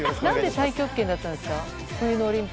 何で太極拳だったんですか？